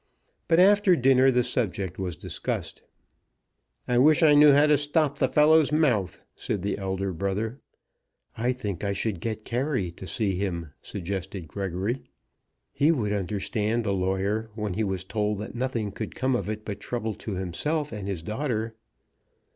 But after dinner the subject was discussed. "I wish I knew how to stop the fellow's mouth," said the elder brother. "I think I should get Carey to see him," suggested Gregory. "He would understand a lawyer when he was told that nothing could come of it but trouble to himself and his daughter."